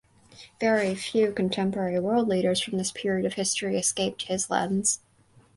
Very few contemporary world leaders from this period of history escaped his lens.